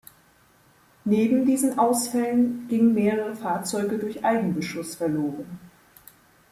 Neben diesen Ausfällen gingen mehrere Fahrzeuge durch Eigenbeschuss verloren.